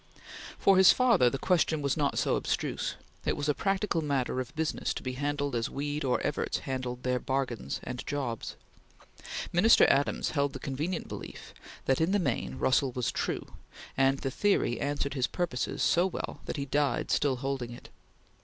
For his father the question was not so abstruse; it was a practical matter of business to be handled as Weed or Evarts handled their bargains and jobs. Minister Adams held the convenient belief that, in the main, Russell was true, and the theory answered his purposes so well that he died still holding it.